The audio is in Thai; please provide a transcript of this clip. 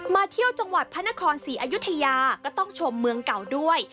เที่ยวจังหวัดพระนครศรีอยุธยาก็ต้องชมเมืองเก่าด้วย